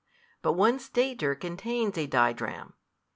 But one stater contains a didrachm.